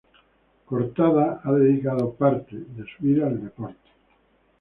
Cortada ha dedicado parte de su vida al deporte.